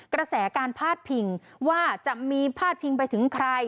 กระแสการพาดพิงว่าจะมีพาดพิงไปถึงใคร